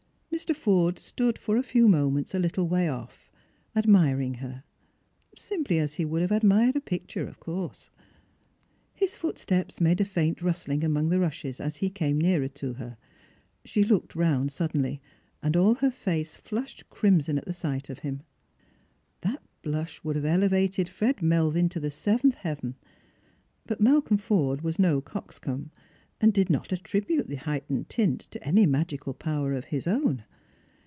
Mr. Forde stood for a few moments a little way off", admiring her — simply as he would have admired a picture, of course. His footsteps made a faint rustling among the rushes as he came nearer to her. She looked round suddenly, and all her Ikce Hushed crimson at sight of him. 60 Strangers and Pilgrims. That blush would have elevated Fred Melvin to the seventh heaven ; but Malcolm Forde was no coxcomb, and did not attri bute the heightened tint to any magical power of his own.